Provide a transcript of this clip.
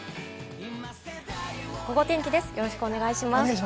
ゴゴ天気です、よろしくお願いします。